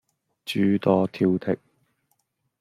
諸多挑剔